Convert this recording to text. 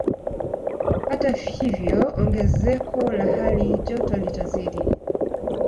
Hata hivyo ongezeko la hali joto litazidi